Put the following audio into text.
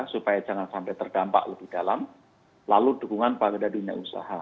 supaya jangan sampai terdampak lebih dalam lalu dukungan pada dunia usaha